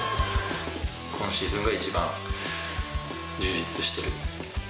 今シーズンが一番充実してる。